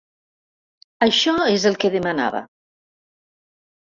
Això és el que demanava.